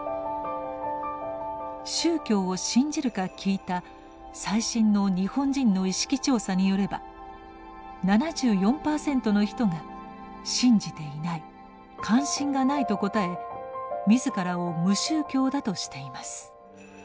宗教を信じるか聞いた最新の日本人の意識調査によれば７４％の人が「信じていない関心がない」と答え自らを無宗教だとしています。